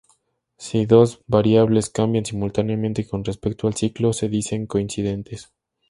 Si dos variables cambian simultáneamente con respecto al ciclo, se dicen coincidentes.